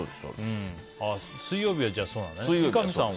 水曜日はそうなのね。